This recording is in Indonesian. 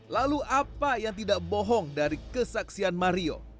lalu apa yang tidak bohong dari kesaksian mario